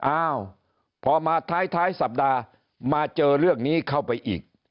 อ้าวพอมาท้ายสัปดาห์มาเจอเรื่องนี้เข้าไปอีก